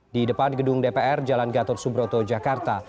di depan gedung dpr jalan gatot subroto jakarta